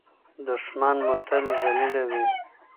دښمن مو تل ذليله وي.